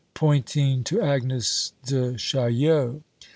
[Pointing to Agnes de Chaillot.